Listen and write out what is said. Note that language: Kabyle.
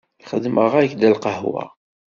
Xedmeɣ-ak-d lqahwa.